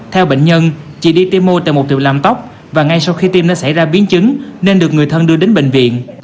theo bệnh nhân chị đi tiêm mô tại một tiểu làm tóc và ngay sau khi tiêm đã xảy ra biến chứng nên được người thân đưa đến bệnh viện